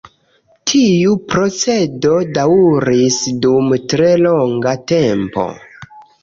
Tiu procedo daŭris dum tre longa tempo.